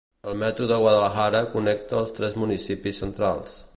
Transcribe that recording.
El Metro de Guadalajara, connecta els tres municipis centrals.